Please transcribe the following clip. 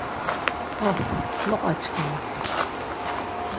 Ox, loqaçkimi!